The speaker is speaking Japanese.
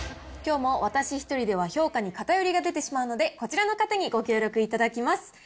きょうも私一人では評価に偏りが出てしまうので、こちらの方にご協力いただきます。